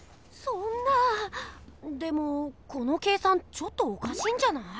そんなでもこの計算ちょっとおかしいんじゃない？